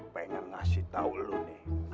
pengen ngasih tau lo nih